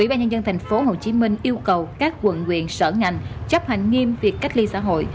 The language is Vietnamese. ủy ban nhân dân tp hcm yêu cầu các quận quyện sở ngành chấp hành nghiêm việc cách ly xã hội